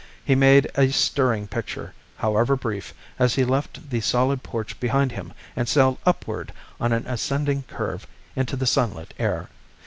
He made a stirring picture, however brief, as he left the solid porch behind him and sailed upward on an ascending curve into the sunlit air.